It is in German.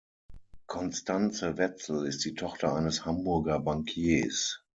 Constance Wetzel ist die Tochter eines Hamburger Bankiers.